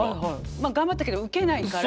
まあ頑張ったけどウケないから。